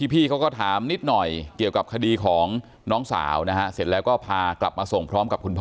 พี่เขาก็ถามนิดหน่อยเกี่ยวกับคดีของน้องสาวนะฮะเสร็จแล้วก็พากลับมาส่งพร้อมกับคุณพ่อ